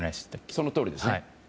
そのとおりです。